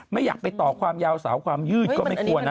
ไม่อยากไปต่อความยาวสาวความยืดก็ไม่ควรนะ